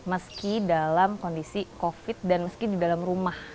meski dalam kondisi covid dan meski di dalam rumah